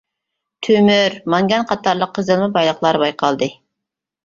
تۆمۈر، مانگان قاتارلىق قېزىلما بايلىقلار بايقالدى.